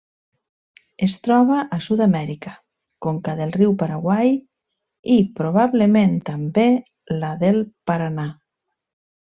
Es troba a Sud-amèrica: conca del riu Paraguai i, probablement també, la del Paranà.